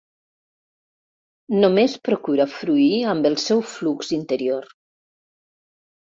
Només procura fruir amb el seu flux interior.